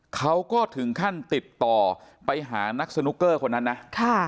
เขาก็ถึงขั้นติดต่อไปหานักสนุกเกอร์คนนั้นนะ